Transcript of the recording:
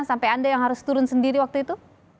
sampai anda yang harus turun sendiri waktu itu